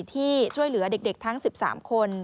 ที่ช่วยเหลือเด็กทั้ง๑๓คน